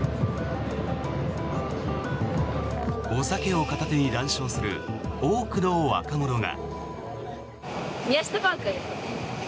お酒を片手に談笑する多くの若者が。